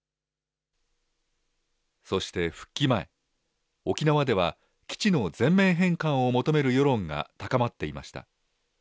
そして復帰前、沖縄では、基地の全面返還を求める世論が高まっていました。